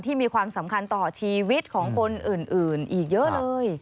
มีความสำคัญต่อชีวิตของคนอื่นอีกเยอะเลย